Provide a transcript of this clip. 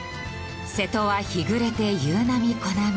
「瀬戸は日暮れて夕波小波」。